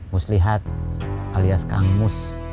muslihat alias kang mus